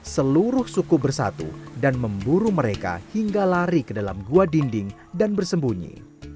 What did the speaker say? seluruh suku bersatu dan memburu mereka hingga lari ke dalam gua dinding dan bersembunyi